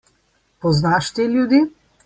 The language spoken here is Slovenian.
Poznaš te ljudi?